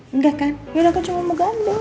enggak kan yaudah aku cuma mau gambut